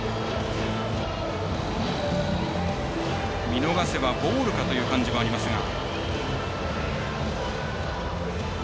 見逃せばボールかという感じもありましたが。